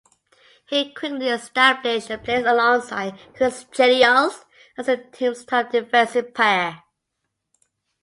He quickly established a place alongside Chris Chelios as the team's top defensive pair.